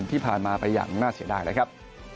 ที่ผ่านมาไปอย่างน่าเสียดายเลยครับ